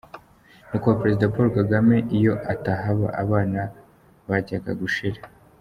Nyakubahwa Perezida Paul Kagame iyo atahaba abana bajyaga gushira